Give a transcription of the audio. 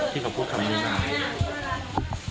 ที่เขาพูดคำดีมาก